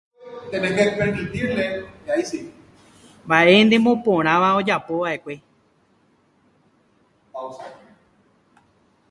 Mba'e neporãva ojapova'ekue.